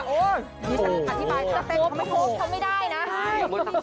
โอ้ยดีจริงค่ะอธิบายถ้าเต้นเขาไม่พบเขาไม่ได้นะ